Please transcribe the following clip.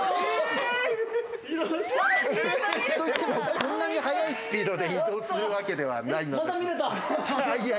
こんなに速いスピードで移動するわけではないです。